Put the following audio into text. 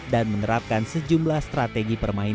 dan menerapkan sejumlah strategi permainan